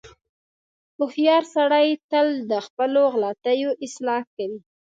• هوښیار سړی تل د خپلو غلطیو اصلاح کوي.